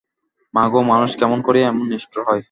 মাগো, মানুষ কেমন করিয়া এমন নিষ্ঠুর হয়!